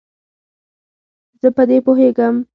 زه په دې پوهیږم.